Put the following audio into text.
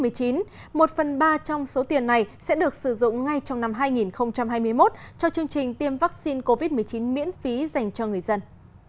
một phần ba trong số tiền này sẽ được sử dụng ngay trong năm hai nghìn hai mươi một cho chương trình tiêm vaccine covid một mươi chín miễn phí dành cho người dân